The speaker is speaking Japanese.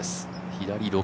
左６。